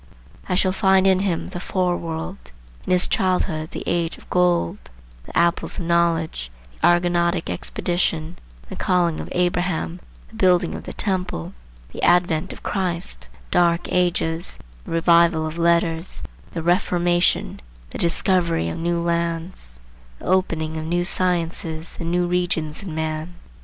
I shall find in him the Foreworld; in his childhood the Age of Gold, the Apples of Knowledge, the Argonautic Expedition, the calling of Abraham, the building of the Temple, the Advent of Christ, Dark Ages, the Revival of Letters, the Reformation, the discovery of new lands, the opening of new sciences and new regions in man.